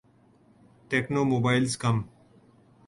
techno mobiles come